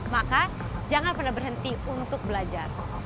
maka jangan pernah berhenti untuk belajar